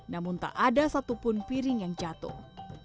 namun tak ada satupun piring yang jatuh